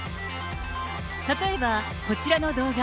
例えば、こちらの動画。